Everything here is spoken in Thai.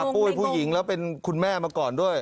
ปุ้ยผู้หญิงแล้วเป็นคุณแม่มาก่อนด้วย